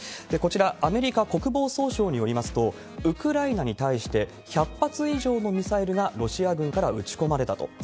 こちら、アメリカ国防総省によりますと、ウクライナに対して１００発以上のミサイルがロシア軍から撃ち込まれたと。